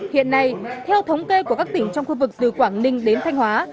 hiện nay theo thống kê của các tỉnh trong khu vực từ quảng ninh đến thanh hóa